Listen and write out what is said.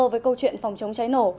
với câu chuyện phòng chống cháy nổ